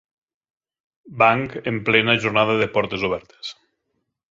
Banc en plena jornada de portes obertes.